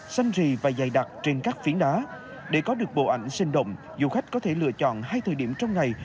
xanh rì và dày đặc trên các phiến đá để có được bộ ảnh sinh động du khách có thể lựa chọn hai thời điểm trong ngày